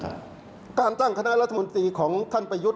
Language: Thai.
การตั้งคณะรัฐมนตรีของท่านประยุทธ์